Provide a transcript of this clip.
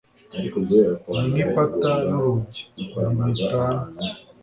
Ni nk'ipata n'urugi, ntibitana.